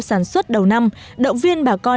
sản xuất đầu năm động viên bà con